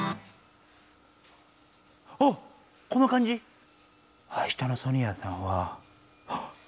あっこの感じあしたのソニアさんはあ！